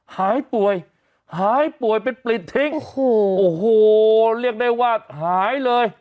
หายป่วยหายป่วยเป็นปลิดทิ้งโอ้โหโอ้โหเรียกได้ว่าหายเลย